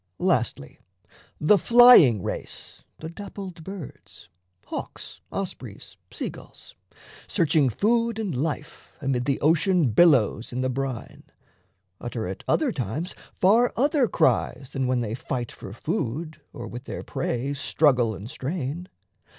Lastly, the flying race, the dappled birds, Hawks, ospreys, sea gulls, searching food and life Amid the ocean billows in the brine, Utter at other times far other cries Than when they fight for food, or with their prey Struggle and strain.